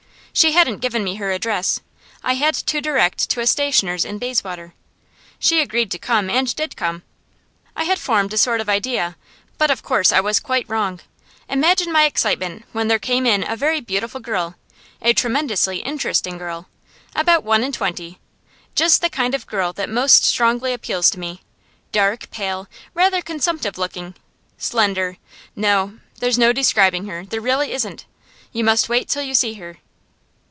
She hadn't given me her address: I had to direct to a stationer's in Bayswater. She agreed to come, and did come. I had formed a sort of idea, but of course I was quite wrong. Imagine my excitement when there came in a very beautiful girl, a tremendously interesting girl, about one and twenty just the kind of girl that most strongly appeals to me; dark, pale, rather consumptive looking, slender no, there's no describing her; there really isn't! You must wait till you see her.